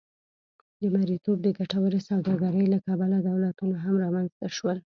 د مریتوب د ګټورې سوداګرۍ له کبله دولتونه هم رامنځته شول.